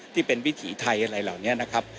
วิถีไทยอะไรเหล่านี้นะครับ